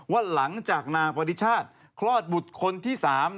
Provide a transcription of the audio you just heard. ว่าหลังจากนางปฏิชาติคลอดบุตรคนที่๓